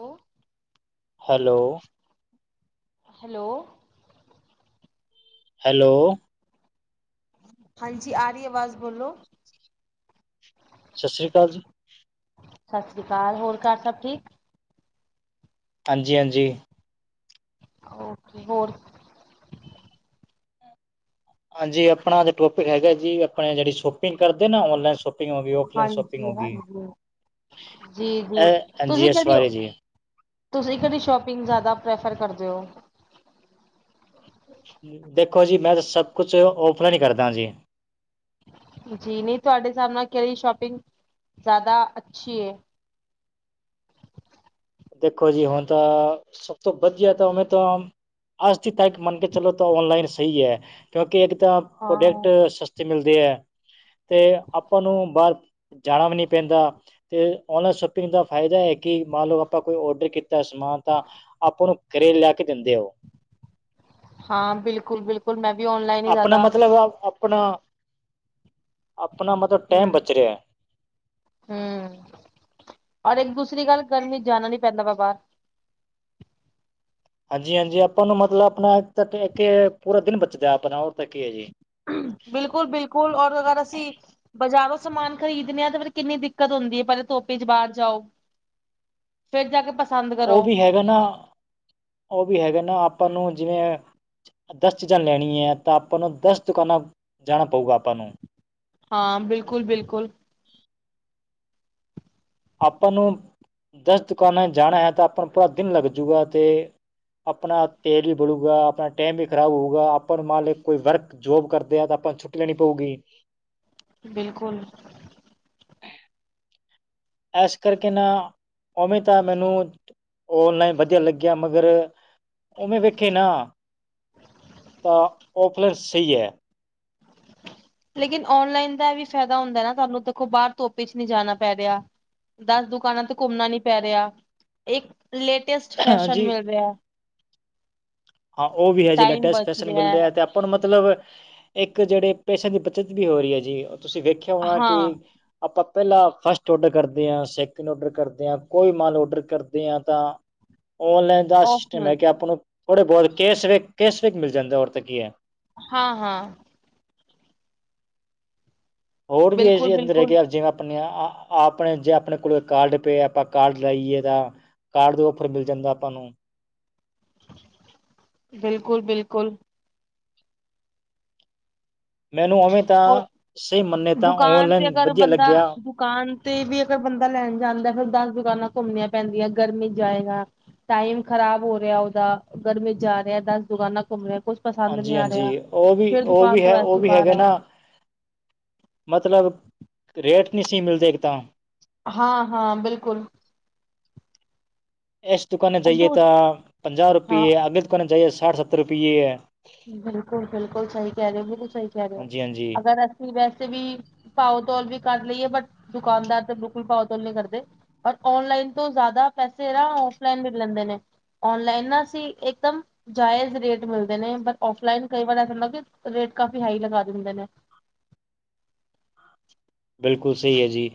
Hello. Hello. Hello. Hello. ਹਾਂਜੀ, ਆ ਰਹੀ ਆਵਾਜ਼ ਬੋਲੋ। ਸਤਿ ਸ਼੍ਰੀ ਅਕਾਲ ਜੀ। ਸਤਿ ਸ੍ਰੀ ਅਕਾਲ ਹੋਰ ਘਰ ਸਭ ਠੀਕ? ਹਾਂਜੀ- ਹਾਂਜੀ। ਓਕੇ, ਹੋਰ। ਹਾਂਜੀ ਆਪਣਾ ਅੱਜ ਟੋਪਿਕ ਹੈਗਾ ਜੀ ਆਪਣੇ ਜਿਹੜੀ ਸ਼ੋਪਿੰਗ ਕਰਦੇ ਨਾ ਔਨਲਾਈਨ ਸ਼ੋਪਿੰਗ ਹੋ ਗਈ ਉਹ। ਹਾਂਜੀ, ਹਾਂਜੀ, ਜੀ ਜੀ ਇਹ ਹਾਂਜੀ ਤੁਸੀਂ ਇਸ ਕਦੀ। ਬਾਰੇ ਜੀ ਤੁਸੀਂ ਕਿਹੜੀ ਸ਼ੋਪਿੰਗ ਜ਼ਿਆਦਾ ਪ੍ਰੈਫਰ ਕਰਦੇ ਹੋ? ਦੇਖੋ ਜੀ, ਮੈਂ ਤਾਂ ਸਭ ਕੁਛ ਓਫਲਾਈਨ ਹੀ ਕਰਦਾ ਜੀ। ਜੀ ਨਹੀਂ ਤੁਹਾਡੇ ਹਿਸਾਬ ਨਾਲ ਕਿਹੜੀ ਸ਼ੋਪਿੰਗ ਜ਼ਿਆਦਾ ਅੱਛੀ ਹੈ। ਦੇਖੋ ਜੀ, ਹੁਣ ਤਾਂ ਸਭ ਤੋਂ ਬਚਤ ਹੋਵੇ ਤਾਂ। ਅੱਜ ਦੀ ਤੱਕ ਮੰਨ ਕੇ ਚਲੋ ਤਾਂ ਔਨਲਾਈਨ ਸਹੀ ਹੈ ਕਿਉਂਕਿ ਇੱਕ ਤਾਂ ਪ੍ਰੋਡਕਟ ਹਾਂ। ਸਸ। ਅੱਜ ਮਿਲਦੇ ਹੈ। ਤੇ ਆਪਾਂ ਨੂੰ ਬਾਹਰ। ਜਾਣਾ ਵੀ ਨਹੀਂ ਪੈਂਦਾ ਤੇ ਔਨਲਾਈਨ ਸ਼ੋਪਿੰਗ ਦਾ ਫਾਇਦਾ ਹੈ ਕਿ ਮੰਨ ਲਓ। ਆਪਾਂ ਕੋਈ ਔਡਰ ਕੀਤਾ ਸਮਾਨ ਤਾਂ ਆਪਾਂ ਨੂੰ ਘਰੇ ਲਿਆ ਕੇ ਦਿੰਦੇ ਹੈ ਉਹ। ਹਾਂ ਬਿਲਕੁਲ- ਬਿਲਕੁਲ ਮੈਂ ਵੀ ਔਨਲਾਈਨ ਹੀ ਆਪਣਾ ਜ਼ਿਆਦਾ। ਮਤਲਬ ਆਪਣਾ, ਮਤਲਬ ਟਾਈਮ ਬਚ ਰਿਹਾ ਹੈ। ਹੂੰ ਔਰ ਇੱਕ ਦੂਸਰੀ ਗੱਲ ਗਰਮੀ ਜਾਣਾ ਨੀ ਪੈਂਦਾ ਹੈ ਬਾਹਰ। ਹਾਂਜੀ- ਹਾਂਜੀ ਆਪਾਂ ਨੂੰ ਮਤਲਬ ਆਪਣਾ ਤਾਂ ਪੂਰਾ ਦਿਨ ਬਚਦਾ ਆਪਣਾ ਉਹ ਤਾਂ ਕੀ ਹੈ ਜੀ। ਬਿਲਕੁਲ -ਬਿਲਕੁਲ ਔਰ ਅਗਰ ਅਸੀਂ। ਬਜ਼ਾਰੋਂ ਸਮਾਨ ਖਰੀਦਣੇ ਆ ਤੇ ਫੇਰ ਕਿੰਨੀ ਦਿੱਕਤ ਹੁੰਦੀ ਹੈ। ਪਹਿਲੇ ਧੁੱਪ 'ਚ ਬਾਹਰ ਜਾਓ। ਹੂੰ। ਫੇਰ ਜਾ ਕੇ ਪਸੰਦ। ਕਰੋ ਉਹ ਵੀ ਹੈਗਾ ਨਾ, ਉਹ ਵੀ ਹੈਗਾ ਨਾ ਆਪਾਂ ਨੂੰ ਜਿਵੇਂ। ਦਸ ਚੀਜ਼ਾਂ ਲੈਣੀਆਂ ਹੈ ਤਾਂ ਆਪਾਂ ਨੂੰ ਦਸ ਦੁਕਾਨਾਂ ਜਾਣਾ ਪਊਗਾ ਆਪਾਂ ਨੂੰ। ਹਾਂ, ਬਿਲਕੁਲ- ਬਿਲਕੁਲ। ਆਪਾਂ ਨੂੰ ਦਸ ਦੁਕਾਨਾਂ ਜਾਣਾ ਹੈ ਤਾਂ ਆਪਾਂ ਨੂੰ ਪੂਰਾ ਦਿਨ ਲੱਗ ਜੂਗਾ ਤੇ। ਆਪਣਾ ਤੇਲ ਵੀ ਬਲੂਗਾ। ਆਪਣਾ ਟਾਈਮ ਵੀ ਖਰਾਬ ਹੋਵੇਗਾ। ਆਪ ਨੂੰ ਮੰਨ ਲੳ ਕੋਈ ਵਰਕ ਜੋਬ ਕਰਦੇ ਆ ਤਾਂ ਆਪਾਂ ਨੂੰ ਛੁੱਟੀ ਲੈਣੀ ਪਊਗੀ। ਬਿਲਕੁਲ। ਇਸ ਕਰਕੇ ਨਾ, ਉਵੇਂ ਤਾਂ, ਮੈਨੂੰ ੳਨਲਾਈਨ ਹੀ ਵਧੀਆ ਲੱਗਿਆ। ਮਗਰ ਉਵੇਂ ਵੇਖੇ ਨਾ, ਤਾਂ ਔਫਲਾਈਨ ਸਹੀ ਹੈ। ਲੇਕਿਨ ਔਨਲਾਈਨ ਦਾ ਵੀ ਫਾਇਦਾ ਹੁੰਦਾ ਨਾ ਤੁਹਾਨੂੰ ਦੇਖੋ ਬਾਹਰ ਧੁੱਪ ਵਿੱਚ ਨਹੀਂ ਜਾਣਾ ਪੈ ਰਿਹਾ ਹੈ। ਦਸ ਦੁਕਾਨਾਂ ਤੇ ਘੁੰਮਣਾ ਨੀ ਪੈ ਰਿਹਾ ਹੈ। ਇੱਕ ਲੇਟੈਸਟ ਫੈਸ਼ਨ ਹਾਂਜੀ ਮਿਲ ਰਿਹਾ ਹੈ। ਹਾਂ ਉਹ ਵੀ ਹੈ। ਜੀ ਟਾਈਮ ਲੇਟੈਸਟ ਬਚ ਫੈਸ਼ਨ ਮਿਲ ਹੈ, ਰਿਹਾ ਤੇ। ਆਪਾਂ ਨੂੰ ਮਤਲਬ ਇੱਕ ਜਿਹੜੇ ਪੈਸਿਆਂ ਦੀ ਬੱਚਤ ਵੀ ਹੋ ਰਹੀ ਹੈ। ਜੀ ਉਹ ਤੁਸੀਂ ਵੇਖਿਆ। ਹੋਣਾ ਕਿ ਹਾਂ ਆਪਾਂ ਪਹਿਲਾਂ ਫਸਟ ਔਡਰ ਕਰਦੇ ਹਾਂ। ਸੈਕਿੰਡ ਔਡਰ ਕਰਦੇ ਹਾਂ। ਕੋਈ ਮਾਲ ਔਡਰ ਕਰਦੇ ਹਾਂ ਤਾਂ। ਔਨਲਾਈਨ ਦਾ ਔਫ ਸਿਸਟਮ ਹੈ। ਕਿ ਮਿਲਦਾ ਆਪਾਂ ਨੂੰ ਥੋੜ੍ਹੇ ਬਹੁਤ ਕੈਸ਼ ਵੈ ਕੈਸ਼ਬੈਕ ਮਿਲ ਜਾਂਦਾ ਹੈ। ਔਰ ਤਾਂ ਕੀ ਹੈ। ਹਾਂ- ਹਾਂ। ਹੋਰ ਵੀ ਇਹ ਬਿਲਕੁਲ ਜਿਹੇ ਹੈ। ਅੰਦਰ ਬਿਲਕੁਲ ਹੈਗੇ ਜਿਵੇਂ ਆਪਣੀਆਂ ਹਾਂ, ਜੇ ਆਪਣੇ ਕੋਲ ਕਾਰਡ ਪਈਆ ਆਪਾਂ ਕਾਰਡ ਲਾਈਏ ਤਾਂ ਕਾਰਡ ਦੇ ਔਫਰ ਮਿਲ ਜਾਂਦਾ ਆਪਾਂ ਨੂੰ। ਬਿਲਕੁਲ- ਬਿਲਕੁਲ। ਮੈਨੂੰ ਉਵੇਂ ਤਾਂ ਔਰ ਸਹੀ ਮੰਨੇ ਤਾਂ ਦੁਕਾਨ ਤੇ ਔਨਲਾਈਨ ਅਗਰ ਵਧੀਆ ਬੰਦਾ ਲੱਗਿਆ ਹੈ। ਦੁਕਾਨ ਤੇ ਵੀ ਅਗਰ ਬੰਦਾ ਲੈਣ ਜਾਂਦਾ ਹੈ। ਫਿਰ ਦਸ ਦੁਕਾਨਾਂ ਘੁੰਮਣੀਆਂ ਪੈਂਦੀਆਂ ਗਰਮੀ ਵਿੱਚ ਜਾਏਗਾ। ਟਾਈਮ ਖ਼ਰਾਬ ਹੋ ਰਿਹਾ ਹੈ। ਉਹਦਾ ਗਰਮੀ ਜਾ ਰਿਹਾ ਹੈ। ਦਸ ਦੁਕਾਨਾਂ ਘੁੰਮ ਰਿਹਾ ਹੈ। ਕੁਛ ਪਸੰਦ ਨਹੀਂ ਹਾਂਜੀ ਆ ਰਿਹਾ ਹੈ। ਹਾਂਜੀ ਉਹ ਵੀ ਫੇਰ ਉਹ ਦੁਕਾਨ ਵੀ ਤੋਂ ਹੈ ਉਹ ਵੈਸੀ ਵੀ ਬਾਹਰ ਹੈਗਾ ਆਓ। ਨਾ ਮਤਲਬ, ਰੇਟ ਨਹੀਂ ਸਹੀ ਮਿਲਦੇ ਇੱਕ ਤਾਂ। ਹਾਂ- ਹਾਂ ਬਿਲਕੁਲ। ਇਸ ਦੁਕਾਨੇ 'ਚ ਜਾਈਏ। ਦੋ ਤਾਂ ਪੰਜਾਹ ਹਾਂ ਰੁਪਏ ਆ। ਅਗਰ ਦੁਕਾਨੇ ਜਾਈਏ ਸਾਠ, ਸੱਤਰ ਰੁਪਏ ਆ। ਬਿਲਕੁਲ -ਬਿਲਕੁਲ ਸਹੀ ਕਹਿ ਰਹੇ। ਬਿਲਕੁਲ ਸਹੀ ਕਹਿ ਰਹੇ ਹੋ। ਹਾਂਜੀ ਹਾਂਜੀ ਅਗਰ ਵੈਸੇ ਵੀ ਪਾਓ ਤੋਲ ਵੀ ਕਰ ਲਈਏ ਬਟ ਦੁਕਾਨਦਾਰ ਤਾਂ ਬਿਲਕੁਲ ਪਾਓ ਤੋਲ ਨੀ ਕਰਦੇ। ਪਰ ਆਨਲਾਈਨ ਤੋਂ ਜ਼ਿਆਦਾ ਪੈਸੇ ਨਾ ਆਫਲਾਈਨ ਵੀ ਲੈਂਦੇ ਨੇ। ਆਨਲਾਈਨ ਨਾ ਅਸੀ, ਇਕਦਮ ਜਾਇਜ਼ ਰੇਟ ਮਿਲਦੇ ਨੇ, ਬਟ ਔਫਲਾਈਨ ਕਈ ਵਾਰਾਂ ਮਤਲਬ ਕੇ ਰੇਟ ਹਾਈ ਲਗਾ ਦਿੰਦੇ ਨੇ। ਬਿਲਕੁਲ ਸਹੀ ਐ ਜੀ।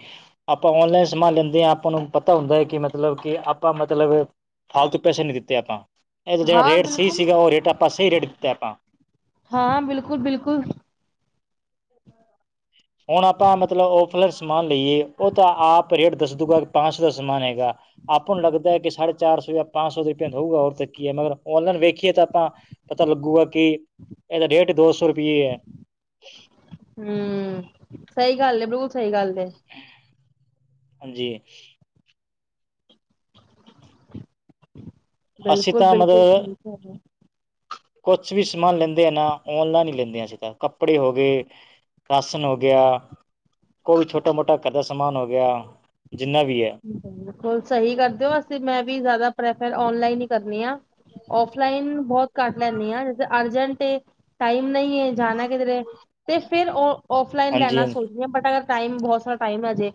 ਆਪਾਂ ਔਨਲਾਈਨ ਸਮਾਨ ਲੈਂਦੇ ਹਾਂ, ਆਪਾਂ ਨੂੰ ਪਤਾ ਹੁੰਦਾ ਹੈ। ਕਿ ਮਤਲਬ ਕਿ ਆਪਾਂ ਮਤਲਬ ਫਾਲਤੂ ਤੋਂ ਪੈਸੇ ਨਹੀਂ ਦਿੱਤੇ ਆਪਾਂ। ਹਾਂ ਰੇਟ ਸਹੀ ਬਿਲਕੁਲ ਸੀਗਾ ਉਹ ਰੇਟ ਆਪਾਂ ਸਹੀ ਰੇਟ ਦਿੱਤਾ ਆਪਾਂ। ਹਾਂ, ਬਿਲਕੁਲ- ਬਿਲਕੁਲ। ਹਮ। ਹੁਣ ਆਪਾਂ ਮਤਲਬ ਆਫਲਾਈਨ ਸਮਾਨ ਲਈਏ। ਉਹ ਤਾਂ ਆਪ ਰੇਟ ਦੱਸ ਦੂਗਾ ਕਿ ਪੰਜ ਸੌ ਦਾ ਸਮਾਨ ਹੈਗਾ। ਆਪਾਂ ਨੂੰ ਲੱਗਦਾ ਹੈ ਕਿ ਸਾਢੇ ਚਾਰ ਸੌ ਜਾਂ ਪੰਜ ਸੌ ਦੀ ਰਿਪੀਆ ਹੋਊਗਾ ਹੋਰ ਤਾਂ ਕੀ ਹੈ ਮਗਰ ਆਨਲਾਈਨ ਵੇਖੀਏ ਤਾਂ ਆਪਾਂ। ਪਤਾ ਲੱਗੂਗਾ ਕਿ ਇਹਦਾ ਰੇਟ ਦੋ ਸੌ ਰੁਪਈਏ ਹੈ। ਹਮ, ਸਹੀ ਗੱਲ ਹੈ। ਬਿਲਕੁਲ ਸਹੀ ਗੱਲ। ਹਾਂਜੀ। ਅਸੀਂ ਬਿਲਕੁਲ ਤਾਂ ਬਿਲਕੁਲ ਮਤਲਬ ਠੀਕ ਹੈਗਾ ਐ। ਕੁਛ ਵੀ ਸਮਾਨ ਲੈਂਦੇ ਆ ਨਾ, ਔਨਲਾਈਨ ਈ ਲੈਂਨੇ ਆ ਅਸੀਂ ਤਾਂ। ਕੱਪੜੇ ਹੋ ਗੇ ਰਾਸ਼ਨ ਹੋ ਗਿਆ ਕੋਈ ਛੋਟਾ ਮੋਟਾ ਘਰ ਦਾ ਸਮਾਨ ਹੋ ਗਿਆ, ਜਿੰਨਾ ਵੀ ਐ। ਬਿਲਕੁਲ ਸਹੀ ਕਰਦੇ ਓ, ਅਸੀਂ ਮੈਂ ਵੀ ਜ਼ਿਆਦਾ ਪ੍ਰੈਫਰ ਔਨਲਾਈਨ ਈ ਕਰਨੀ ਆਂ। ਔਫਲਾਈਨ ਬਹੁਤ ਘੱਟ ਲੈਂਨੀ ਆਂ, ਜੇ ਅਰਜੈਂਟ ਏ, ਟਾਈਮ ਨਹੀਂ ਏ ਜਾਣਾ ਕਿਧਰੇ ਤੇ ਫਿਰ ਔ-ਔਫਲਾਈਨ ਹਾਂਜੀ ਲੈਣਾ ਹਾਂਜੀ ਸੋਚਦੀ ਆਂ। ਬਟ ਅਗਰ ਟਾਈਮ ਬਹੁਤ ਸਾਰਾ ਟਾਈਮ ਏ ਜੇ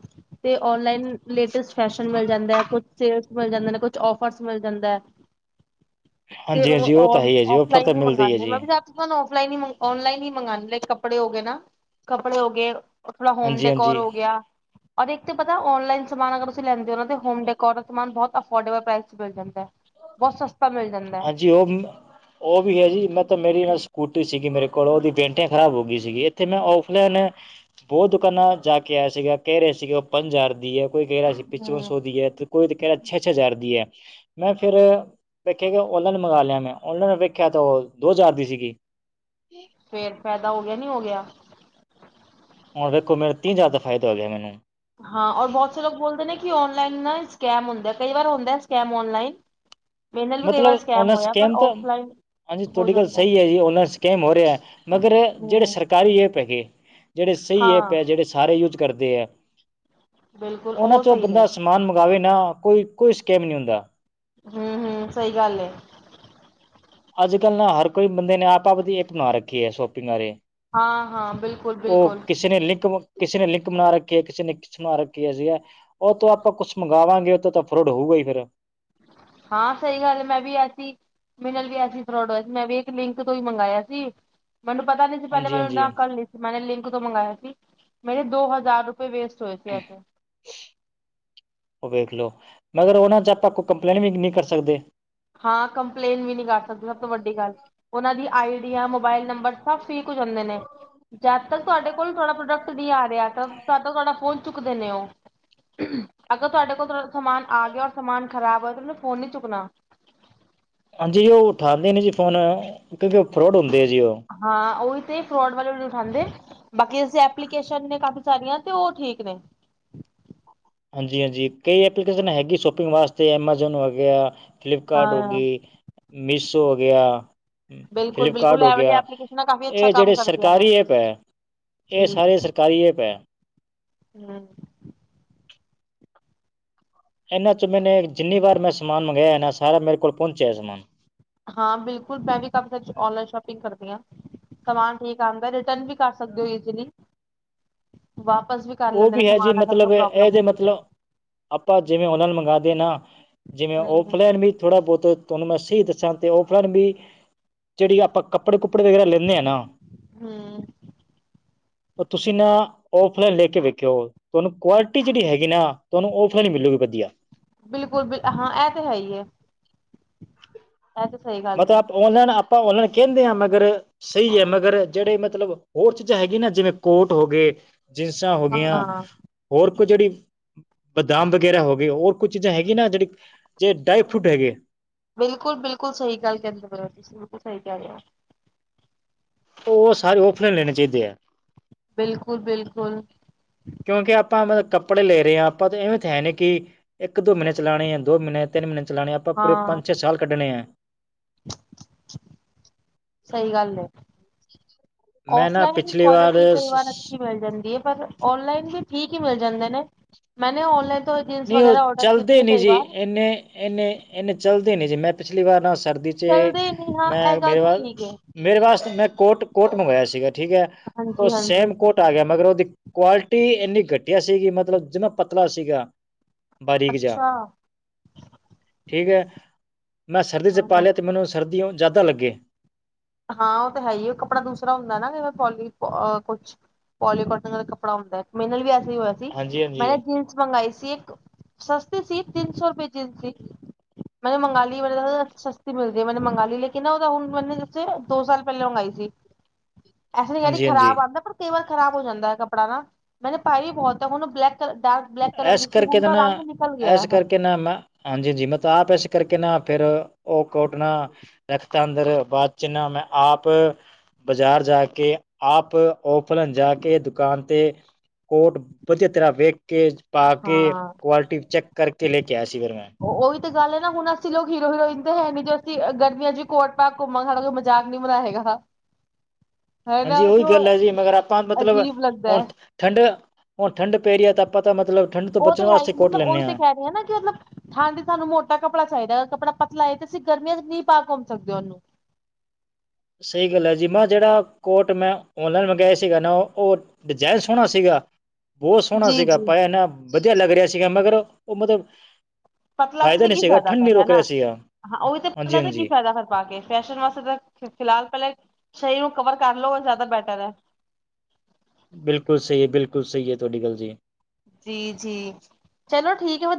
ਔਨਲਾਈਨ ਲੇਟਸਟ ਫੈਸ਼ਨ ਮਿਲ ਜਾਂਦੈ, ਕੁਛ ਸੇਲਸ ਮਿਲ ਜਾਂਦੇ ਨੇ, ਕੁਛ ਔਫਰ ਮਿਲ ਜਾਂਦਾ ਐ। ਹਾਂਜੀ ਹਾਂਜੀ ਉਹ ਤਾਂ ਹੈ ਈ ਐ ਜੀ, ਔਫਰ ਤਾਂ ਮਿਲਦੇ ਐ ਜੀ। ਹੁਣ ਔਫਲਾਈਨ ਈ ਔਨਲਾਈਨ ਈ ਮੰਗਾਂਨੀ, ਲਾਈਕ ਕੱਪੜੇ ਹੋ ਗੇ ਨਾ, ਕੱਪੜੇ ਹੋ ਗੇ ਉਤਲਾ ਹੋਮ ਹਾਂਜੀ ਡਕੋਰ ਹਾਂਜੀ ਹੋ ਗਿਆ। ਔਰ ਇੱਕ ਤੇ ਪਤਾ ਆਨਲਾਈਨ ਸਮਾਨ ਅਗਰ ਤੁਸੀਂ ਲੈਂਦੇ ਹੋਮ ਡੇਕੋਨ ਬਹੁਤ ਅਫੋਰਡੇਬਲ ਪ੍ਰਾਈਸ ‌ਮਿਲ ਜਾਂਦਾ। ਬੋਹ ਸਸਤਾ ਮਿਲ ਜਾਂਦਾ ਹਾਂਜੀ ਉਹ-ਉਹ ਵੀ ਹੈ ਜੀ ਮੈਂ ਤਾਂ ਮੇਰੀ ਨਾਲ ਸਕੂਟੀ ਸਕੂਟਰੀ ਸੀਗੀ ਮੇਰੇ ਕੋਲ ਉਹਦੀ ਬੈਟਰੀਆਂ ਖਰਾਬ ਹੋ ਗਈ ਸੀਗੀ ਇੱਥੇ ਮੈਂ ਔਫਲਾਈਨ ਬਹੁ ਦੁਕਾਨਾਂ ਜਾ ਕੇ ਆਇਆ ਸੀਗਾ ਕਹਿ ਰਹੀ ਸੀ ਪੰਜ ਹਜ਼ਾਰ ਦੀ ਹੈ। ਕੋਈ ਕਹਿ ਰਿਹਾ ਸੀ ਪਚਵਨ ਹੂੰ ਸੌ ਦੀ ਹੈ ਤੇ ਕੋਈ ਕਹਿ ਰਿਹਾ ਛੇ-ਛੇ ਹਜ਼ਾਰ ਦੀ ਹੈ ਮੈਂ ਫਿਰ ਵੇਖਿਆ ਕਿ ਔਨਲਾਈਨ ਮੰਗਾਲਿਆ ਮੈਂ ਔਨਲਾਈਨ ਵੇਖਿਆ ਤਾਂ ਉਹ ਦੋ ਹਜ਼ਾਰ ਦੀ ਸੀਗੀ। ਫਿਰ ਫਾਇਦਾ ਹੋ ਗਿਆ ਨੀ ਹੋ ਗਿਆ। ਹੁਣ ਦੇਖੋ ਮੇਰੇ ਤਿੰਨ ਹਜਾਰ ਦਾ ਫਾਇਦਾ ਹੋ ਗਿਆ ਮੈਨੂੰ ਹਾਂ ਬਹੁਤ ਸਾਰੇ ਲੋਕ ਬੋਲਦੇ ਨੇ ਕਿ ਆਨਲਾਈਨ ਨਾ ਸਕੈਮ ਹੁੰਦਾ ਕਈ ਵਾਰ ਹੁੰਦਾ ਸਕੈਮ ਆਨਲਾਈਨ ਮਤਲਬ ਉਹਨਾਂ ਪਰ ਸਕੈਮ ਤੋਂ ਔਫਲਾਈਨ ਹਾਂਜੀ ਹੋ ਤੁਹਾਡੀ ਗੱਲ ਜਾਂਦਾ ਸਹੀ ਹੈ ਜੀ ਓਨਾਂ ਸਕੈਮ ਹੋ ਰਿਹਾ ਮਗਰ ਜਿਹੜੇ ਹੂੰ ਸਰਕਾਰ ਐਪ ਹੈਗੇ। ਜਿਹੜੇ ਸਹੀ ਐਪ ਹੈ ਹਾਂ ਜਿਹੜੇ ਸਾਰੇ ਯੂਜ ਕਰਦੇ ਐ। ਬਿਲਕੁਲ ਉਹਨਾਂ ਉਹ 'ਚੋਂ ਸਹੀ ਨੇ ਬੰਦਾ ਸਮਾਨ ਮੰਗਾਵੇ ਨਾ ਕੋਈ ਕੋਈ ਸਕੈਮ ਨਹੀਂ ਹੁੰਦਾ। ਹੂੰ- ਹੂੰ ਸਹੀ ਗੱਲ ਏ। ਅੱਜ ਕੱਲ੍ਹ ਨਾ ਹਰ ਕੋਈ ਬੰਦੇ ਨੇ ਆਪ ਦੀ ਐਪ ਨਾ ਰੱਖੀ ਹੈ ਸ਼ੋਪਿੰਗ ਬਾਰੇ ਹਾਂ-ਹਾਂ, ਉਹ, ਬਿਲਕੁਲ-ਬਿਲਕੁਲ ਕਿਸੇ ਨੇ ਲਿੰਕ ਕਿਸੇ ਨੇ, ਲਿੰਕ ਬਣਾ ਰੱਖੀ ਐ, ਕਿਸੇ ਨੇ ਖਿੱਚ ਬਨਾ ਰੱਖਿਆ ਸੀਗਾ। ਉਹ ਤੋਂ, ਆਪਾਂ ਕੁਛ ਮੰਗਵਾਵਾਂਗੇ, ਉਹ ਤੋਂ ਤਾਂ ਫਰੋਡ ਹੋਊਗਾ ਹੀ ਫਿਰ। ਹਾਂ, ਸਹੀ ਗੱਲ ਮੈਂ ਵੀ ਐਸੀ ਮੇਰੇ ਨਾਲ ਵੀ, ਐਸੇ ਈ ਫਰੋਡ ਹੋਇਆ ਸੀ। ਮੈਂ ਵੀ ਇੱਕ ਲਿੰਕ ਤੋਂ ਹੀ ਮੰਗਾਇਆ ਸੀ। ਮੈਨੂੰ ਪਤਾ ਨੀ ਸੀ, ਪਹਿਲੇ ਹਾਂਜੀ ਮੈ ਹਾਂਜੀ ਉਨ੍ਹਾਂ ਨੂੰ ਕਰ ਲਈ ਸੀ, ਮੈਂਨੇ ਲਿੰਕ ਤੋਂ ਮੰਗਵਾਇਆ ਸੀ, ਮੇਰੇ ਦੋ ਹਜ਼ਾਰ ਕਈ ਵੇਸਟ ਹੋਏ ਸੀ, ਐਸੇ। ਉਹ ਵੇਖਲੋ, ਮਗਰ ਉਹਨਾਂ ਚ ਆਪਾਂ ਕੋਈ ਕੰਪਲੇਂਟ ਵੀ ਨਹੀਂ ਕਰ ਸਕਦੇ। ਹਾਂ, ਕੰਪਲੇਂਨ ਵੀ ਨਹੀ ਕਰ ਸਕਦੇ, ਸਭ ਤੋਂ ਵੱਡੀ ਗੱਲ। ਉਹਨਾਂ ਦੀ ਆਈਡੀਆਂ ਮੋਬਾਇਲ ਨੰਬਰ ਸਬ ਫੇਕ ਹੋ ਜਾਂਦੇ ਨੇ ਜਦ ਤੱਕ ਤੁਹਾਡੇ ਕੋਲ ਤੁਹਾਡਾ ਪ੍ਰੋਡਕਟ ਨਹੀਂ ਆ ਰਿਹਾ ਤਦ ਤ ਤੁਡਾ ਫੋਹਨ ਚੁੱਕਦੇ ਨੇ ਓ ਅਗਰ ਤੁਹਾਡੇ ਕੋਲ ਤਵਡਾ ਸਮਾਨ ਆ ਗਿਆ ਔਰ ਸਮਾਨ ਖ਼ਰਾਬ ਹੋਇਆ ਤੇ ਓਹਨੇ ਫ਼ੋਨ ਨੀ ਚੁੱਕਣਾ। ਹਾਂਜੀ ਉਹ ਉਠਾਉਂਦੇ ਨੇ ਜੀ ਫੋਨ ਕਿਉਂਕਿ ਉਹ ਫਰੋਡ ਹੁੰਦੇ ਆ ਜੀ ਉਹ। ਹਾਂ ਉਹੀ ਤੇ ਫਰੋਡ ਵਾਲੇ ਵੀ [unintelligible] ਉਠਾਂਦੇ ਬਾਕੀ ਇਸ ਐਪਲੀਕੇਸ਼ਨ ਨੇ ਕਾਫੀ ਸਾਰੀਆਂ ਤੇ ਉਹ ਠੀਕ ਨੇ। ਹਾਂਜੀ-ਹਾਂਜੀ ਕਈ ਐਪਲੀਕੇਸ਼ਨ ਹੈਗੀ ਸ਼ੋਪਿੰਗ ਵਾਸਤੇ ਐਮਾਜੋਨ ਹੋ ਗਿਆ। ਫਲਿੱਪਕਾਰਡ ਹੋ ਹਾਂ ਗਈ ਮੀਸ਼ੋ ਹੋ ਗਿਆ। ਬਿਲਕੁਲ ਫਲਿਪਕਾਰਡ ਬਿਲਕੁਲ ਹੋ ਇਹ ਵਾਲੀ ਗਿਆ, ਐਪਲੀਕੇਸ਼ਨਾਂ ਕਾਫੀ ਅੱਛਾ ਇਹ ਕੰਮ ਜਿਹੜੇ ਕਰਦੀਆਂ ਨੇ ਸਰਕਾਰੀ ਐਪ ਐ। ਇਹ, ਜੀ ਸਾਰੇ ਸਰਕਾਰੀ ਐਪ ਐ। ਹਮ। ਇਹਨਾਂ 'ਚ ਮੈੰਨੇ ਜਿੰਨੀ ਵਾਰ ਮੈਂ ਸਮਾਨ ਮੰਗਾਇਆ ਐ ਨਾ, ਸਾਰਾ ਮੇਰੇ ਕੋਲ ਪਹੁੰਚਿਆ ਸਮਾਨ। ਹਾਂ, ਬਿਲਕੁਲ ਮੈਂ ਵੀ ਕਾਫੀ ਸਾਰੀ ਔਨਲਾਈਨ ਸ਼ੋਪਿੰਗ ਕਰਦੀ ਹਾਂ। ਸਮਾਨ ਠੀਕ ਆਉਂਦਾ, ਰਿਟਰਨ ਵੀ ਕਰ ਸਕਦੇ ਹੋ, ਈਜ਼ਲੀ। ਵਾਪਸ ਵੀ, ਕਰ ਉਹ ਲੈਂਦੇ ਨੇ ਹੈ ਜੀ ਸਮਾਨ, ਅਗਰ ਕੋਈ ਮਤਲਬ ਪ੍ਰੋਬਲਮ ਇਹਦੇ ਹੁੰਦੀ ਐ ਤੇ। ਮਤਲਬ ਆਪਾਂ, ਜਿਵੇਂ ਓਨਲਾਈਨ ਮੰਗਾਦੇ ਨਾ, ਜਿਵੇਂ ਹਮ ਔਫਲਾਈਨ ਵੀ ਥੋੜ੍ਹਾ ਬਹੁਤ ਤੁਹਾਨੂੰ ਮੈਂ ਸਹੀ ਦੱਸਾਂ ਅਤੇ ਫੇਰ ਬੀ ਜਿਹੜੀ ਆਪਾਂ ਕੱਪੜੇ ਕੁੱਪੜੇ ਵਗੈਰਾ ਲੈਂਨੇਂ ਆ ਨਾ ਹਮ ਉਹ ਤੁਸੀ ਨਾ ਲੈ ਕੇ ਵੇਖਿਯੋ ਤੁਹਾਨੂੰ ਕੁਆਲਿਟੀ ਜਿਹੜੀ ਹੈਗੀ ਨਾ ਤੁਹਾਨੂੰ ਉਹ ਥੋ ਨੀਂ ਮਿਲੂਗੀ ਵਧੀਆ। ਬਿਲਕੁਲ ਬਿਲ ਹਾਂ ਐਹ ਤੇ ਹੈ ਹੀ ਏ। ਐਹ ਤੇ ਸਹੀ ਗੱਲ ਮਤਲਬ ਏ ਆਪ ਔਨਲਾਈਨ ਆਪਾਂ ਔਨਲਾਈਨ ਕਹਿੰਦੇ ਹਾਂ ਮਗਰ ਸਹੀ ਹੈ ਮਗਰ ਜਿਹੜੇ ਮਤਲਬ ਹੋਰ ਚੀਜ਼ਾਂ ਹੈਗੈ ਨਾ ਜਿਵੇਂ ਕੋਟ ਹੋ ਗੇ ਜਿਸਸਾਂ ਹੋ ਗੀਆਂ ਹਾਂ ਹੋਰ ਕੋ ਜਿਹੜੀ ਬਦਾਮ ਵਗੈਰਾ ਹੋ ਗੇ ਹੋਰ ਕੁਝ ਚੀਜ਼ਾਂ ਹੈਗੀਆਂ ਨਾ ਜਿਹੜੀ ਜੇ ਡਰਾਈ ਫਰੂਟ ਹੈਗੇ। ਬਿਲਕੁਲ ਬਿਲਕੁਲ ਸਹੀ ਗੱਲ ਕਹਿੰਦੇ ਪਏ ਹੋ ਬਿਲਕੁਲ ਸਹੀ ਕਹਿ ਰਹੇ ਹੋ। ਉਹ ਸਾਰੇ ਓਫਨਨ [unintelligible] ਲੈਣੇ ਚਾਹੀਦੇ ਆ। ਬਿਲਕੁਲ ਬਿਲਕੁਲ ਕਿਉਂਕਿ ਆਪਾਂ ਮਤਲਬ ਕੱਪੜੇ ਲੈ ਰਹੇ ਹਾਂ ਆਪਾਂ ਤਾਂ ਇਵੇਂ ਤਾਂ ਹੈ ਨੇ ਕੀ ਇੱਕ ਦੋ ਮਹੀਨੇ ਚਲਾਣੇ ਆ, ਦੋ ਮਹੀਨੇ, ਤਿੰਨ ਮਹੀਨੇ ਚਲਾਣੇ ਆ ਆਪਾਂ ਪੂਰੇ ਹਾਂ ਪੰਜ ਛ ਸਾਲ ਕੱਢਣੇ ਐ। ਸਹੀ ਗੱਲ ਏ ਮੈਂ ਨਾ ਔਫਲਾਈਨ ਪਿਛਲੀ ਵਾਰ ਕੁਆਲਿਟੀ ਕਈ ਵਾਰ ਅੱਛੀ ਮਿਲ ਜਾਂਦੀ ਹੈ ਪਰ ਔਨਲਾਈਨ ਵੀ ਠੀਕ ਹੀ ਮਿਲ ਜਾਂਦੇ ਨੇ ਮੈਨੇ ਔਨਲਾਈ ਨਹੀਂ ਉਹ ਚਲਦੇ ਨੀ ਜੀ ਇੰਨੇ ਇੰਨੇ ਇੰਨੇ ਚੱਲਦੇ ਨੀ ਜੀ ਮੈਂ ਪਿਛਲੀ ਵਾਰ ਨਾ ਸਰਦੀ ਚੇ ਚੱਲਦੇ ਨੀ ਹਾਂ ਇਹ ਮੈਂ ਗੱਲ ਮੇਰੇ ਤੇ ਵੱਲ ਠੀਕ ਹੈ ਮੇਰੇ ਵਾਸਤੇ ਮੈਂ ਕੋਟ ਕੋਟ ਮੰਗਵਾਇਆ ਸੀਗਾ ਠੀਕ ਹੈ ਉਹ ਹਾਂਜੀ ਹਾਂਜੀ ਸੇਮ ਕੋਟ ਘਟ ਆ ਗਿਆ ਮਗਰ ਉਹਦੀ ਕੁਆਲਿਟੀ ਇੰਨੀ ਘਟੀਆ ਸੀਗੀ ਮਤਲਬ ਜਿਨਾ ਪਤਲਾ ਸੀਗਾ। ਬਾਰੀਕ ਜਾ ਅੱਛਾ ਠੀਕ ਹੈ ਮੈਂ ਸਰਦੀ ਚ ਪਾ ਹਾਂ ਲਿਆ ਤੇ ਮੈਨੂੰ ਸਰਦੀਓ ਜ਼ਿਆਦਾ ਲੱਗੇ ਹਾਂ ਉਹ ਤਾਂ ਹੈ ਹੀ ਕੱਪੜਾ ਦੂਸਰਾ ਹੁੰਦਾ ਨਾ ਕਈ ਵਾਰ ਪੋਲੀ ਕੁਛ ਪੋਲੀਕੋਟਨ ਦਾ ਕੱੜਾ ਹੁੰਦਾ ਮੇਰੇ ਨਾਲ ਵੀ ਐਸੇ ਹੀ ਹੋਇਆ ਹਾਂਜੀ ਮੈਂ ਹਾਂਜੀ ਨਾ ਜੀਨਸ ਮੰਗਾਈ ਸੀ ਇੱਕ ਸਸਤੀ ਸੀ ਤਿੰਨ ਸੌ ਰੁਪਏ ਜੀਨਸ ਸੀ ਮੈਨੂੰ ਮੰਗਾਲੀ [unintelligible] ਸਸਤੀ ਮਿਲਦੀ ਹੈ ਮੈਨੂੰ ਮੰਗਾਲੀ ਲੇਕਿਨਾ ਉਹਦਾ ਹੁਣ ਮੈਨੇ ਦੋ ਸਾਲ ਪਹਿਲਾਂ ਮੰਗਾਈ ਸੀ ਐਸੇ ਨੀ ਕਹਿ ਰੀ ਹਾਂਜੀ ਹਾਂਜੀ ਖ਼ਰਾਬ ਆਉਂਦਾ ਪਰ ਤੇਵਰ ਖ਼ਰਾਬ ਹੋ ਜਾਂਦਾ ਹੈ ਕੱਪੜਾ ਨਾ ਮੈਨੇ ਪਾਈ ਵੀ ਬਹੁਤ ਉਹਨੂੰ black colour dark black colour ਦੀ ਐਸ ਸੀ ਕਰਕੇ ਹੁਣ ਤਾਂ ਨਾ ਰੰਗ ਨਿਕਲ ਗਿਆ ਐਸ ਹੈ। ਕਰਕੇ ਨਾ ਮੈਂ ਹਾਂਜੀ ਹਾਂਜੀ ਮੈਂ ਤਾਂ ਆਪ ਇਸ ਕਰਕੇ ਨਾ ਫਿਰ ਉਹ ਕੋਟ ਨਾ ਰੱਖਤਾ ਅੰਦਰ ਬਾਤ ਚੀਨਾ ਮੈਂ ਆਪ ਬਾਜ਼ਾਰ ਜਾ ਕੇ ਆਪ ਔਫਲ ਜਾ ਕੇ ਦੁਕਾਨ ਤੇ ਕੋਟ ਵਧੀਆ ਤਰ੍ਹਾਂ ਵੇਖ ਕੇ ਪਾ ਕੇ ਹਾਂ ਕੁਆਲਿਟੀ ਚੈੱਕ ਕਰਕੇ ਲੈ ਕੇ ਆਇਆ ਸੀ ਫਿਰ ਮੈਂ। ਉਹੀ ਤਾਂ ਗੱਲ ਹੈ ਨਾ ਹੁਣ ਅਸੀਂ ਲੋਕ ਹੀਰੋ ਹੀਰੋਇਨ ਤੇ ਹੈ ਨੀ ਜੋੇ ਅਸੀਂ ਗਰਮੀਆਂ ਚ ਕੋਟ ਪਾ ਘੁੰਮਾਂ ਸਡਾ ਕੋ ਜਾਗ ਨੀ ਮਨਾਇ ਹੈਗਾ। [unintelligible] ਹਾਂਜੀ ਉਹੀ ਗੱਲ ਹੈ ਜੀ ਮਗਰ ਆਪਾਂ ਮਤਲਬ ਅਜੀਬ ਲੱਗਦਾ ਹੁਣ ਹੈ ਠੰਡ ਹੁਣ ਠੰਡ ਪੇਰੀ ਤਾਂ ਪਤਾ ਮਤਲਬ ਠੰਡ ਤੋਂ ਉਹ ਬਚਣ ਤਾਂ ਹੈ ਹੀ ਵਾਸਤੇ ਕੋਟ ਮਤਲਬ ਲੈਂਦੇ ਉਹੀ ਤਾਂ ਹਾਂ ਕਹਿ ਰਹੇ ਆ ਨਾ ਕਿ ਮਤਲਬ ਠੰਡ ਸਾਨੂੰ ਮੋਟਾ ਕੱਪੜਾ ਚਾਹੀਦਾ ਅ ਕੱਪੜਾ ਪਤਲਾ ਏ ਤੇ ਅਸੀਂ ਗਰਮੀਆਂ ਚਚ ਨਹੀਂ ਪਾ ਘੁੰਮ ਸਕਦੇ ਉਹਨੂੰ। ਸਹੀ ਗੱਲ ਹੈ ਜੀ ਮੈਂ ਜਿਹੜਾ ਕੋਟ ਮੈਂ ਔਨਲਾਈਨ ਮੰਗਾਯਾ ਸੀਗਾ ਨਾ ਉਹ ਉਹ ਡਿਜਾਇਨ ਸੋਹਣਾ ਸੀਗਾ ਬਹੁਤ ਸੋਹਣਾ ਜੀ ਸੀਗਾ ਜੀ। ਪਾਇਆ ਇਹਨਾ ਵਧੀਆ ਲੱਗ ਰਿਹਾ ਸੀਗਾ ਮਗਰ ਉਹ ਮਤਬ ਪਤਲਾ ਸੀ ਤੇ ਕੀ ਫਾਇਦਾ ਫਿਰ ਹਨਾਂ ਸੀਗਾ ਉਹੀ ਤੇ ਹਾਂਜੀ ਪਤਲਾ ਤੇ ਕੀ ਹਾਂਜੀ ਫਾਇਦਾ ਫਿਰ ਪਾ ਕੇ ਫੈਸ਼ਨ ਵਾਸਤੇ ਤਾਂ ਫਿਲਹਾਲ ਪਹਿਲੇ ਸ਼ਰੀਰ ਨੂੰ ਕਵਰ ਕਰ ਲੋ ਜ਼ਿਆਦਾ ਬੈਟਰ ਐ ਬਿਲਕੁਲ ਸਹੀ ਹੈ ਬਿਲਕੁਲ ਸਹੀ ਹੈ ਤੁਹਾਡੀ ਗੱਲ ਜੀ। ਜੀ ਜੀ ਚਲੋ ਠੀਕ ਹੈ